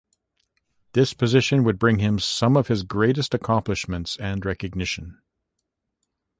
This position would bring him some of his greatest accomplishments and recognition.